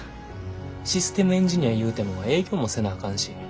システムエンジニアいうても営業もせなあかんし。